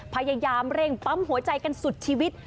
พยายามเร่งปั๊มหัวใจกันสุดชีวิต